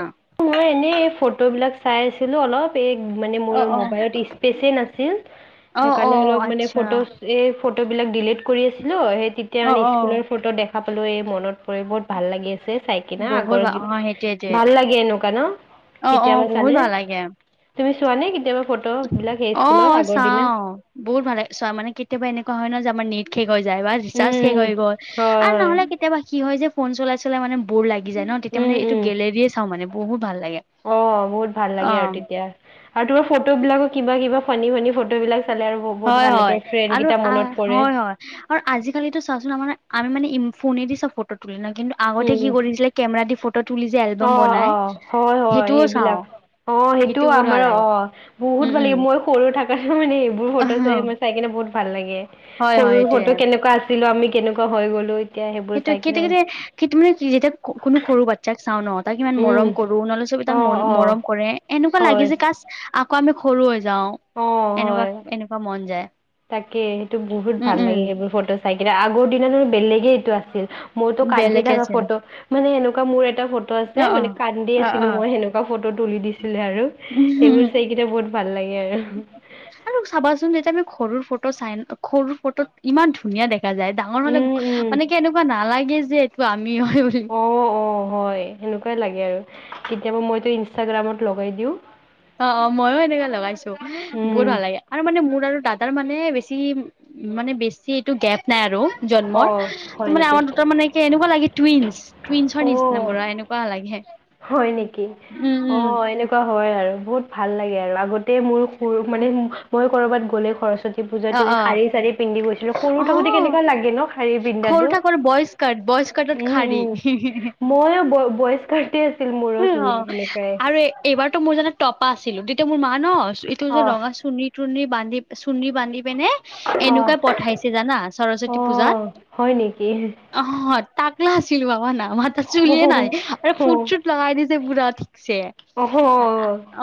অহ। মই এনে, এই ফটো বিলাক চাই আছোঁ। ছিলো অলপ, এই মানে মোৰ অ মোবাইলত স্পেচে নাছিল। অ অ সেইকাৰণে অলপ মানে আচ্ছা ফটোচ এ ফটোবিলাক ডিলিট কৰি আছিলোঁ। সেই তেতিয়া অ মানে অ স্কুলৰ ফটো দেখা পালোঁ, এই মনত কৰি বহুত ভাল লাগি আছে চাই কিনা, বহুত আগৰ ভাল অ সেইটোয়েটোৱে ভাল লাগ- গে এনেকুৱা ন অ অ কেতিয়াবা বহুত চালে। ভাল লাগে তুমি চোৱা নে কেতিয়াবা ফটো বিলাক সেই অ স্কুলৰ আগৰ দিনে? চাও বহুত ভাল চোৱা, মানে কেতিয়াবা এনেকুৱা হয় নহ যে আমাৰ নেট শেষ হৈ যায়, বা ৰিচাৰ্জ শেষ উম, হৈ গল। হয় আৰু হয় নহলে কেতিয়াবা কি হয় যে ফোন চলাই চলাই মানে বৰ লাগি যায় ন তেতিয়া উম, মানে এইটো উম। গেলেৰিয়ে চাওঁ মানে, বহুত ভাল লাগে। অ বহুত ভাল অ লাগে আৰু তেতিয়া। আৰু তোমাৰ ফটো বিলাকো কিবা কিবা ফনী ফানি ফটো বিলাক চালে আৰু বৌ- হয় হয় আৰু আ হয় হয়। আৰু আজিকালিত টো চা চোন আমাৰ আমি মানে ফোনে দি চা ফটো তুলি ল কিন্তু আগতে কি উম কৰিছিলে কেমেৰা দি ফটো তুলি যে, অ এলবাম অ বনাই হয় হয় সেইটোও চাওঁ। সেইবিলাক অ সেইটো আমাৰ অ উম, বহুত ভাল উম, লাগিব, মই সৰু থাক মানে এইবোৰ ফটো অহ, চাই মই চাই কিনে বহুত ভাল লাগে। হয়, হয়, সৰুৰ এইটোয়ে। ফটো কেনেকুৱা আছ- আছিলো আমি কেনেকুৱা হৈ গ'লো। এতিয়া সেইবোৰ সেইটোৱে চাই কেত কিনে কেত কি তুমি যেতিয়া খ খ কোনো সৰু বাট যাক চাও ন তাক ইমান উম মৰম কৰো নহলে চবেই অ তাক মন অ মৰম কৰে এনেকুৱা হয় লাগে যে কাচ আকৌ আমি সৰু হৈ যাও, অ এনেকুৱা হয় এনেকুৱা মন যায়। তাকে, সেইটো বহুত উম, ভাল লাগে উম, সেইবোৰ ফটো চাই কিনে আগৰ দিনা বেলেগে এইটো আছিল। মোৰতটো কান্দি বেলেগে থকা আছিল ফটো মানে সেনেকোৱা মোৰ এটা ফটো অ', আছে মানে অ', কান্দি অ', আছিলো অ'। মই সেনেক ফটো তুলি দিছিলে আৰু, সেইবোৰ উম, চাই কিনে বহুত ভাল লাগে আৰু। আৰু চাবাচোন যেতিয়া আমি সৰুৰ ফটো চাইন, সৰুৰ ফটোত ইমান ধুনীয়া দেখ- খা যায় ডাঙৰ মানে উম উম মানে এনেকুৱা নালাগে যে এইটো আমি হয় বুলি। অ অ হয় সেনেকুৱাই লাগে আৰু কেতিয়াবা মইতো ইনষ্টাগ্ৰামত লগাই দিওঁ। অ অ মইয়ো এনেকে লগাইছো বহুত উম ভাল লাগে। আৰু মানে মোৰ আৰু দাদাৰ মানে বেছি উ মানে বেছিত টো গেপ নাই আৰু অ জন্মৰ, ত হয় মানে নেকি আমাৰ দুটাৰ মানে এনেকুৱা লাগে টুইনচ। টুইনছৰ নিচিনা অ বৰা এনেকুৱা লাগে। হয় নেকি? উম অ উম এনেকুৱা হয় আৰু বহুত ভাল লাগে আৰু, আগতে মোৰ পৰু মানে মই কৰ'ৰবাত গ'লে সৰস্বতী অ পুজাটোৱে অ শাৰী চাৰী পিন্ধি গৈছিলোঁ, সৰু অ থাকোতে কেনেকুৱা লাগে ন? শাৰী সৰু পিন্ধাটো, থাকোতে বইজ কাট বইজ কাটত উম শাৰী উম মই বয়স্কাৰ তে আছিল মোৰো অ চুলি সেনেকাই। আৰু এইবাৰতো মোৰ জানা টপা আছিলো, তেতিয়া মোৰ মা ন এইটো যে অ', ৰঙা চুনি তুণি বান্ধি চুণনি বান্ধি পিনে অ', এনেকুৱাই পঠাইছে জানা সৰস্বতী অ', পূজাত। হয় নেকি? অ তাকলা আছিলো বাবা নামাত চুলিয়ে নাই আৰু ফুট চুট লগাই দিছে পোৰা ঠিকছে। অহ।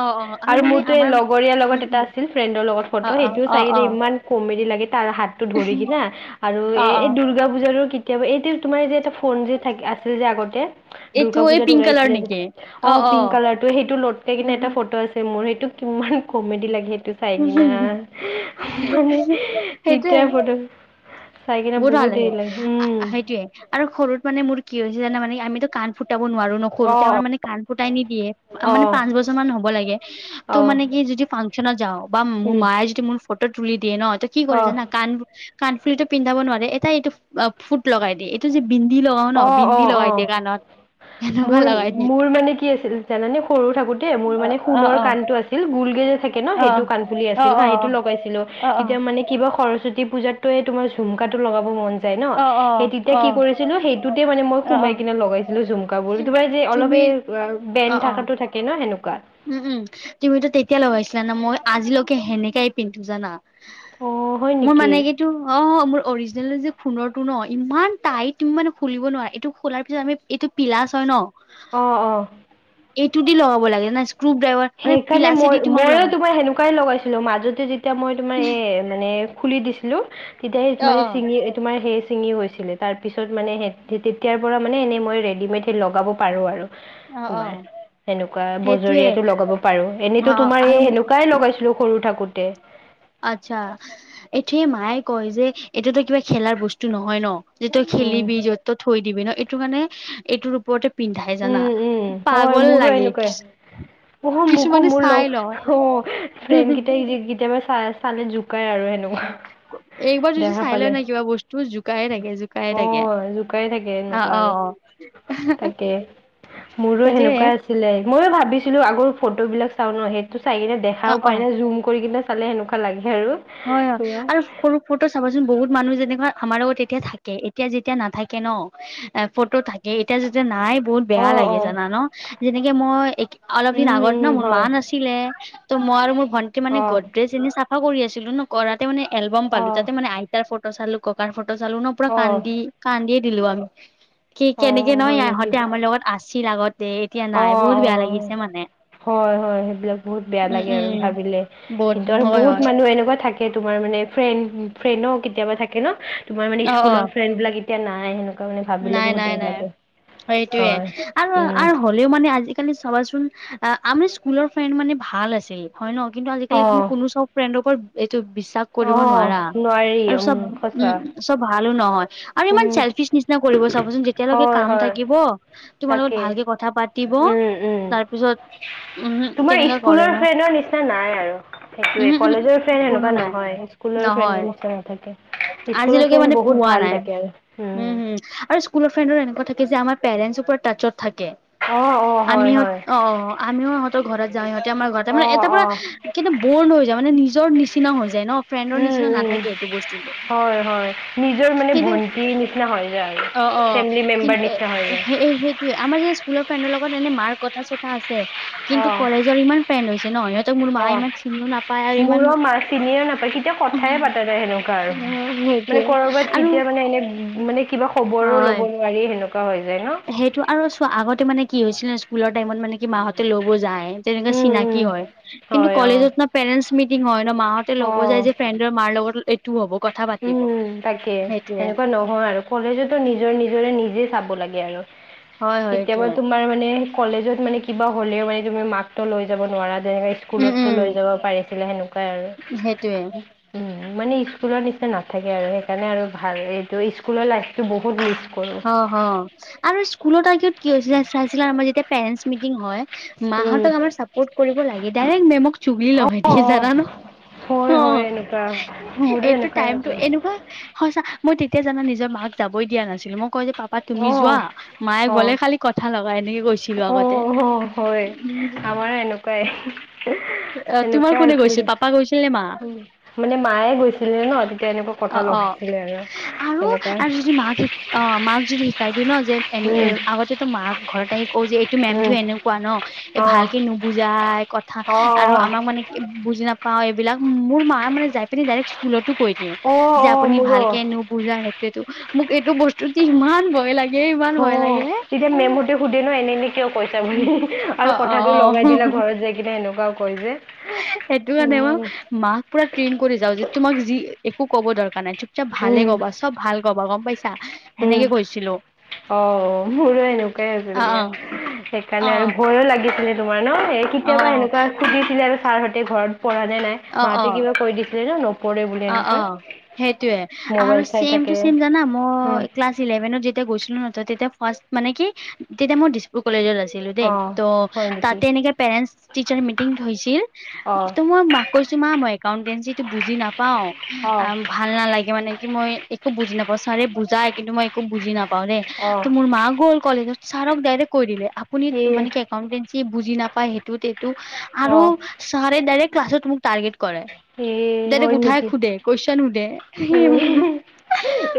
অ অ আৰু মানে মোৰতো আমাৰ লগৰীয়াৰ লগত উম এটা উম আছিল, ফ্ৰেণ্ডৰ লগত অ ফটো অ সেইটোও অ চাই অ কিনে ইমান কমেদি লাগে তাৰ হাতটো ধৰি কিনা আৰু অ এ অ এই দুৰ্গা পূজাৰো কেতিয়াবা এইটো তোমাৰ যে এইটো ফোন যে আছিল যে আগতে, এইটো দুৰ্গা এই পূজাত পিংক কালাৰ ওলাইছিলে, নেকি অ পিংক কালাৰ ত সেইটো লতকাই কিনে এটা ফটো আছে মোৰ সেইটো কিমান কমেডি লাগে সেইটো। চাই কিনা মানে সেইটোয়ে তেতিয়া ফটো। চাই কিনে বহুত দেৰি লাগে উম। সেইটোয়ে আৰু সৰুত মানে মোৰ কি হৈছে জানা মানে আমিতো কাণ ফুটাব নোৱাৰো ন। অ সৰুতে আমৰ মানে কাণ ফুটাই নিদিয়ে, অ মানে পাচ বছৰ মান হ'ব লাগে, ত অ মানে কি যদি চনত যাও বা মোৰ উম মায়ে যদি মোৰ ফটো তুলি দিয়ে ন ত কি অ কৰে জানা কাণ কাণফুলিটো পিন্ধাব নোৱাৰে এটাই এইটো ফুট লগাই দিয়ে এইটো যে বিন্দি লগাও ন অ অ বিন্দি লগাই অ দিয়ে কানত মোৰ মোৰ মানে কি আছিল জানানে সৰু থাকোতে মোৰ অ মানে অ সোণৰ অ কাণটো আছ- গুলকে যে থাকে ন সেইটো কাণফুলি অ অ আছিল হা সেইটো লগাইছিলো তেতিয়া মানে কিবা সৰস্বতী পূজাত ত, তোমাৰ ঝুমকা টো লগাব মন যায় ন অ অ সেই তেতিয়া কি কৰি অ সেইটোতে মানে মই অ। সোমাই কিনে লগাইছিলো ঝুমকা বোৰ তোমাৰ যে তুমি অলপে বেন অ অ থাকটোত থাকে ন সেনেকুৱা। উম উম তুমিতো তেতিয়া লগাইছিলা ন মই আজিলৈকে সেনেকাই পিন্ধো জানা। অ হয় মোৰ নেকি মানে কি এইটো অ মোৰ অৰিজিনেল যে খোণৰ টো ন ইমান টাইট মানে খুলিব নোৱাৰা, এইটো খোলাৰ পিছত আমি এইটো পিলাচ হয় ন। অ', অ ', এইটো দি লগাব লাগে না স্ক্ৰু ড্ৰাইভাৰ মানে সেইকাৰণে মই পিলাচেদি তোমাক ময়ো লগাব তোমাৰ সেনেকুৱাই লগাইছিলো মাজত যেতিয়া মই তোমাৰ এ মানে খুলি দিছিলো তেতিয়া স অ মানে অ চিঙি তোমাৰ সেই চিঙি গৈছিল। চিলে তাৰপিছত মানে তেতিয়াৰ পৰা মানে এনেই মই ৰেডিমেডে লগাব পাৰো আৰু। অ অ তোমাৰ সেনেকুৱা সেইটোয়ে বজৰিয়াত লগাব পাৰো অ এনেইতো অ তোমাৰ আৰু এই সেনেকুৱাই লগাইছিলো সৰু থাকোতে। আচ্ছা এইটোৱে মায়ে কয় যে এতিয়াতো কিবা খেলাৰ বস্তু নহয় ন। যে তই উম খেলিবি য'ত ত'ত থৈ দিবি ন এইটো মানে এইটোৰ ওপৰতে পিন্ধাই জানা উম উম পাগল লাগে। অ, মোকো কিছুমানে মোৰ চাই লগ লয় অ, ফ্ৰেন্ড কেইটা যে মে চাই চালে জোকাই আৰু সেনেকুৱা। একবাৰ যদি দেখা চাই পালে লয় নাই কিবা বস্তু জোকাইে থাকে - অ জোকাই থাকে। জোকাই থাকে অ এনেকুৱা অ আৰু। অ তাকে মোৰো সেইটোয়ে সেনেকুৱা আছিলে ময়ো ভাবিছিলো আগৰ ফটো বিলাক চাও ন সেই টো চাই কিনে অ দেখাও অ পায় ন জুম কৰি কিনে চালে সেনেকুৱা লাগে আৰু। হয়-হয় তোমাৰ আৰু সৰু ফটো চাবাচোন বহুত মানুহ যেনেকুৱা আমাৰ লগত তেতিয়া থাকে এতিয়া যেতিয়া নাথাকে ন। এ ফটো থাকে এতিয়া যেতিয়া নাই বহুত অ বেয়া অ লাগে জানা ন যেনেকে মই অলপ দিন উম আগত ন উম মোৰ মা হয় নাছিল ছিলে ত মই আৰু মোৰ ভন্টি মানে অ গড্ৰেজ এনে চাফা কৰি আছিলো ন। কৰাতে মানে এলবাম অ পালো তাতে মানে আইতাৰ ফটো চালো ককাৰ ফটো চালো ন পুৰা অ কান্দি কান্দিয়ে দিলো আমি কি অ কেনেকে নহয় হয় নেকি ইহঁতে আমাৰ লগত আছিল আগতে। এতিয়া নাই বহুত বেয়া লাগিছে মানে। হয়-হয় সেইবিলাক বহুত বেয়া উম লাগে আৰু উম ভাবিলে বহুত কিন্তু আৰু হয় বহুত হয় মানুহে এনেকুৱা থাকে তমাৰ মানে ফ্ৰেন্ড - ফ্ৰেণ্ড কেতিয়াবা থাকে ন তোমাৰ মানে অ অ স্কুলৰ ফ্ৰেণ্ড বিলাক। এতিয়া নাই সেনেকোৱা। নাই - নাই - নাই সেইটোয়ে হয় আৰু উম আৰু হ'লেও মানে আজি চাবাচোন আমাৰ স্কুলৰ ফ্ৰেড মানে ভাল আছিল হয় ন কিন্তু আজিকালি তুমি অ কোনো চব ফ্ৰেণ্ডৰ ওপৰত এইটো বিশ্বাস কৰিব নোৱাৰা অ' নোৱাৰি আৰু চব উম উম, সঁচা চব ভালো নহয় আৰু ইমান উম চেল্ফি নিচিনা কৰিব চাবচোন। যেতিয়ালৈকে হয় কাম হয় থাকিব তোমাৰ লগত তাকে ভালকে কথা পাতিব উম উম তাৰপিছত। উমহো তোমাৰ কেনেকা কৰে স্কুলৰ ন ফ্ৰেণ্ডৰ নিচিনা নাই আৰু সেইটোয়ে উমহো কলেজৰ ফ্ৰেণ্ড উমহো কোনো সেনেকাৱা নাই নহয়। স্কুলৰ নহয় ফ্ৰেণ্ডৰ নি নাথাকে স্কুলৰ আজিলৈকে ফ্ৰেণ্ড মানে বহুত পোৱা ভাল নাই থাকে আৰু। উম হম আৰু স্কুলৰ ফ্ৰেণ্ডৰ এনেকুৱা থাকে যে আমাৰ পেৰেণ্টছ পৰা টাচত থাকে। অ' অ' হয় আমিহত হয় অ, আমিও ইহতৰ ঘৰত যাও ইহতে আমাৰ ঘৰতে মানে অ' এটা পুৰা অ' কিনে বৰ্ণ হৈ যায় মানে নিজৰ নিচিনাও হৈ যায় ন। ফ্ৰেণ্ডৰ নিচিনা উম-উম, নাথাকে এইটো বস্তুটো হয়-হয় নিজৰ মানে কিন্তু ভণ্টি নিচিনা হয়। অ', অ', কিন্তু যায় সেই-সেই ত আমাৰ যে স্কুলৰ ফ্ৰেণ্ডৰ লগত এনে মাৰ কথা চথা আছে। কিন্তু অ' কলেজৰ ইমান ফ্ৰেণ্ড হৈছে ন সিহঁতক মোৰ মা অ' ইমান চিনিও নাপায় আৰু ইমান এতিয়া কথাই পাতা নাই সেনেকুৱা আৰু অ মানে সেইটোৱে কৰবাত আৰু কেতিয়া মানে এনে মানে কিবা খবৰো ল'ব হয় নোৱাৰি সেনেকুৱা হৈ যায় ন। সেইটো আৰু চোৱা আগতে মানে কি হৈছিলে স্কুলৰ টাইমত মানে কি মাহঁতে লব যায় তেনেকোৱ উম উম চিনাকি হয় কিন্তু হয় অ কলেজত না পেৰেণ্টছ মিটিং হয় ন মাহঁতে অ লব যায় যে ফ্ৰেণ্ড নিজৰ মাৰ লগত এইটোও হ'ব কথা পাতিব সেইটোয়ে হয় সৰুতে নিজৰ - নিজৰ নিজেই চাব লাগে আৰু হয় হয় কেতিয়া বা এইটোয়ে তোৰ তমাৰ মানে কলেজত মানে কিবা হ'লেও মানে তুমি মাকটো লৈ যাব নোৱাৰা যেনে উম স্কুলতো লৈ যাব উম পাৰিছিলে সেনেকুৱাই আৰু সেইটোয়ে উম, মানে স্কুলত নি তে নাথাকে আৰু সেইকাৰণে আৰু ভাল এইটো স্কুলৰ লাইফটো বহুত কৰোঁ অ হ আৰু স্কুলত আগত কি হৈছিলে চাইছিলা আমাৰ যেতিয়া পেৰেন্টছ মিটিং হয় উম মাহঁতক আমাৰ চাপৰ্ট কৰিব লাগে ডাইৰেক্ট মেমক চুগুলি অ লগাই দিয়ে জানা অ ন। হয় অ হয় এনেকুৱা মোৰো এইটো এনেকুৱাই টাইমতটো আছিল এনেকোৱা হয় চা মই তেতিয়া জানা নিজৰ মাক যাবই দিয়া নাছিলো মই কয় যে পাপা তুমি অঁ যোৱা মায়ে অঁ গলে খালি কথা লগাই এনেকে কৈছিলো অঁ আগতে। হয় উম, আমাৰ কই অ তোমাৰ সেনেকোৱাই কোনে আছিলে গৈছিল পাপা গৈছিল নে মা উম মানে মায়ে গৈছিলে ন তেতিয়া এনেকোৱা অ অ আৰু আৰু যদি মাক এই অ মাক যদি শিকাই দিও ন যে এ আগতেতো মাক ঘৰত আহি কও যে এইটো মেমটো এনে কোৱা ন এ অঁ ভালকে নুবুজাই কথা অঁ আৰু আমাক মানে ই বুজি নাপাও এইবিলাক মোৰ মায়ে মানে যাই পিনি ডাইৰেক্ট স্কুলতো কৈ দিয়ে অঁ যে অঁ আপুনি মোৰো ভালকে নো বুজাই সেইটোৱেতো মোক এইটো বস্তুত যে ইমান ভয় লাগে ইমান ভয় লাগে হে সুধে ন এনেই এনেই কিয় কৈছা বুলি অ আৰু অ কথাটো অ লগাই দিলা ঘৰত যাই কিনে সেনেকোৱাও কয় যে সেইটো কাৰণে মই মাক পুৰা ত্ৰেণ কৰি যাও যে তোমাক যি একো কব দৰকাৰ নাই চব ভালে ক'বা চব ভাল কবা গম পাইছা সেনেকে ইমান কৈছিলো অ মোৰো এনেকোৱাই হৈছিল অ অ দিয়া অ সেইকাৰণে আৰু ভয়ো লাগিছিলে তোমাৰ ন এ অ কেতিয়াবা এনেকোৱা সুধিছিলে আৰু ছাৰ হ তে ঘৰত পঢ়া নে নাই অ অ মাহতি কিবা কৈ দিছিলে ন ন অ অ সেইটোয়ে আৰু মোবাইল চাই চেইম টু থাকে। চেইম জানা মই অ উম, ক্লাছ ইলেভেনট যেতিয়া গৈছিলো নহয় তেতিয়া ফাৰ্ষ্ট মানে কি তেতিয়া মোৰ ডি ডিব্ৰু কলেজত আছিলো দেই অ', ত হয় নেকি? তাতে পেৰেণ্টছ টিচাৰ মিটিং থৈছিল অ', ত মই মাক কৈছো মা মই একাউন্টেঞ্চিটো বুজি নাপাও আ অ', ভাল নালাগে মানে কি মই একো বুজি নাপাও ছাৰে বুজাই কিন্তু মই একো বুজি নাপাও দেই ত অ', মোৰ মা গ'ল কলেজত ছাৰক ডাইৰেক্ট কৈ দিলে আপুনি এ, মানে একাউটেঞ্চি বুজি নাপায় সেইটোত এইটোআৰু অ', ছাৰে ডাইৰেক্ট ক্লাছত মোক টাৰ্গেট কৰে হে হয় নেকি দে কোৱেচন সুধে এহে হি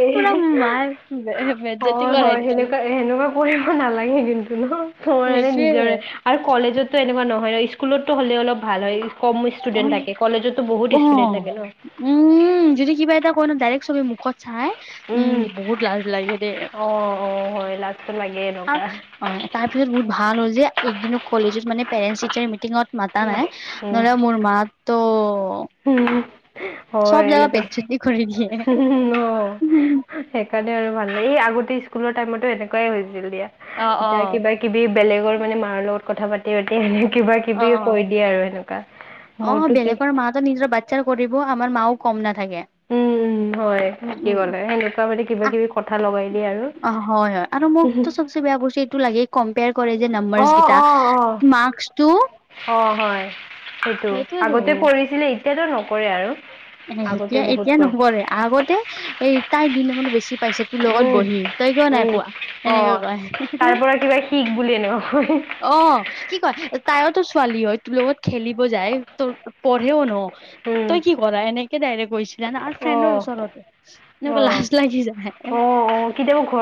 এহে মাৰ হা হা বেজ্জতি হয় কৰাই হয় দিছিল সেনেকোৱা সেনেকোৱা কৰিব নালাগে কিন্তু ন তোমাৰ মানে নিজৰে সেইটোয়ে আৰু কলেজতো এনেকোৱা নহয় ন স্কু স্কুলতো হ'লে অলপ ভাল হয় কম ষ্টুডেন্ট থাকে কলেজততো অ বহুত ষ্টুডেন্ট থাকে ন উম যদি কিবা এটা কই ন ডাইৰেক্ট চবে মুখত চাই উম বহুত লাজ লাগে দেই অ অ হয় লাজটো লাগে আ এনেকুৱা অ তাৰ পিছত বহুত ভাল হ'ল যে একদিনো কলেজত মানে পেৰেন্টছ টিচাৰে মিটিঙত মাতা নাই নহলে মোৰ মাত ত হু হু হয় এনেকোৱা বেজ্জতি কৰি দিয়ে। হু হু ন সেইকাৰণে আৰু ভাল লাগে এই আগতে স্কুলৰ টাইমতো এনেকোৱাই হৈছিল দিয়া অ', এতিয়া অ'। কিবা কিবি বেলেগৰ মানে মাৰৰ লগত কথা পাতি পাতি কিবা অ', কিবি অ', কৈ দিয়ে আৰু সেনে অ বেলেগৰ মাতো নিজৰ বাচ্ছাৰ কৰিব আমাৰ মাও কম নাথাকে উম উম হয় উম, কি উম। কলে সেনেকোৱা মানে কিবা কিবি কথা লগাই দিয়ে আৰু হয় আৰু মোকতো চবে বেছি বেয়া বস্তু এইটো লাগে কম্পেয়াৰ কৰে যে অ নাম্বাৰচ কেইটা অ অ মাৰ্ক্সটো অ হয়, সেইটো আগতে কৰিছিলে এতিয়াতো নকৰে আৰু। এ আগতে সেতিয়া বহুত এতিয়া কৰে নকৰে, আগতে এই তাই দুই নম্বৰতো বেছি- পাইছে তোৰ লগত উম বহি, তই কিয় নাই উম পোৱা অ এনেকে কয়। তাৰ পৰা কিবা শিক বুলি এনেকুৱা কয় অ কি কয় তাইওতো ছোৱালী হয় তোৰ লগত খেলিব যায় তোৰ পঢ়েও ন উম তই কি কৰা এনেকে ডাইৰেক্ট কৈছে জানা আৰু ফ্ৰেণ্ডৰ অঁ ওচৰত এনেকুৱা অঁ লাজ লাগি যায়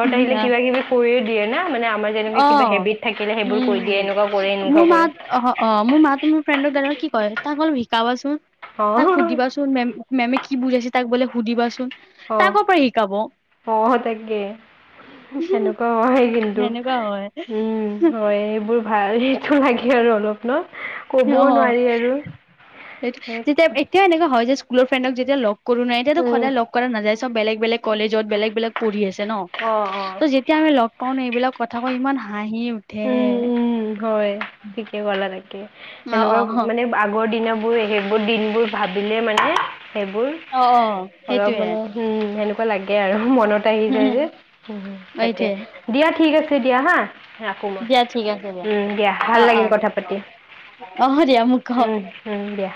হুহ আ কৈয়ে দিয়ে না মানে আমাৰ যেনেকুৱা কিবা হেবিট থাকিলে সেইবোৰ কৈ দিয়ে এনেকুৱা কৰে এনেকুৱা কৰে অহ অ মোৰ মা মোৰ ফ্ৰেণ্ডৰ দাদাক কি কয় তাক অলপ শিকাবাচোন তাক অঁ সুধিবাচোন মে মেমে কি বুজাইছে তাক বোলে সুধিবাচোন তাই কৰ পৰা শিকাব অ তাকে সেনেকুৱা হয় কিন্তু সেনেকুৱা হয় উম হয় এইবোৰ ভাল সেইটো লাগে আৰু অলপ ন, ক'বও অ নোৱাৰি আৰু। তে এনেকুৱা দে স্কুলৰ ফেণ্ডক যেতিয়া লগ কৰো নহয় এতিয়া ত সদায় লগ কৰা নাযায়। বেলেগ বেলেগ কলেজত বেলেগ বেলেগ পঢ়ি আছে ন। অ অ। ত' যেতিয়া আমি লগ পাও ন এইবিলাক কথা কৈ ইমান হাঁহি উঠে। উম হয় ঠিকে কলা তাকে, অ অ সেনেকুৱা মানে আগৰ দিনবোৰ সেইবোৰ দিনবোৰ ভাবিলে মানে সেইবোৰ, অ অ অলপ সেইটোৱে মানে হম সেনেকুৱা লাগে আৰু মনত। আহি যায় উম যে তাকে, সেইটোৱে দিয়া ঠিক আছে দিয়া হা ৰাখো। মই দিয়া ঠিক আছে। উম দিয়া অ ভাল অ লাগিল কথা পাতি, অ দিয়া মোক ক উম উম দিয়া।